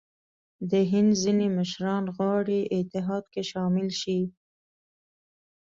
د هند ځیني مشران غواړي اتحاد کې شامل شي.